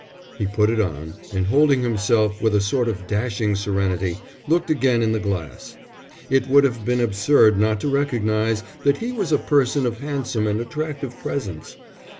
He put it on, and holding himself with a sort of dashing serenity, looked again in the glass. It would have been absurd not to recognize that he was a person of handsome and attractive presence.